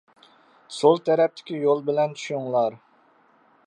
سول تەرەپتىكى يول بىلەن چۈشۈڭلار!